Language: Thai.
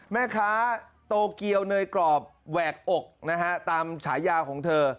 แม่ค้าโตเกียวเนยกรอบแหวกอกนะฮะตามฉายาของเธอ